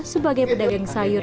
sebagai pedagang sayur